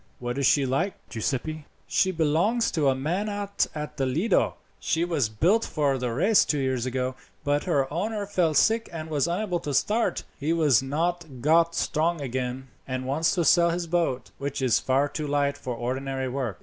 "What is she like, Giuseppi?" "She belongs to a man out at Lido. She was built for the race two years ago, but her owner fell sick and was unable to start. He has not got strong again, and wants to sell his boat, which is far too light for ordinary work.